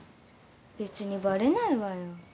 別にばれないわよ